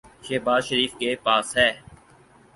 شہباز شریف کے پاس ہے۔